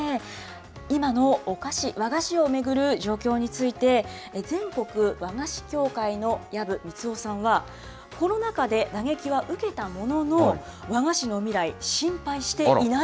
今のお菓子、和菓子を巡る状況について、全国和菓子協会の藪光生さんは、コロナ禍で打撃は受けたものの、和菓子の未来、前向き。